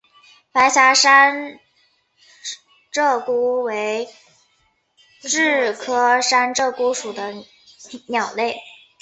白颊山鹧鸪为雉科山鹧鸪属的鸟类。